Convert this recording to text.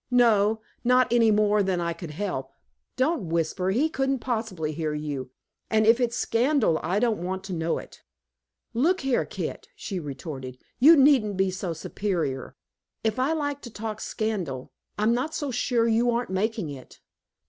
"No not any more than I could help. Don't whisper, he couldn't possibly hear you. And if it's scandal I don't want to know it." "Look here, Kit," she retorted, "you needn't be so superior. If I like to talk scandal, I'm not so sure you aren't making it."